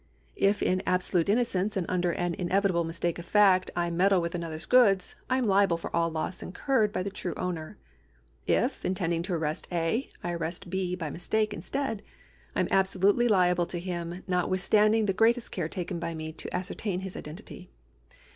If in abso lute innocence and under an inevitable mistake of fact I meddle with another's goods, I am liable for all loss incurred by the true owner. ^ If, intending to arrest A., I arrest B. by mistake instead, I am absolutely liable to him notwithstand ing the greatest care taken by me to ascertain his identity.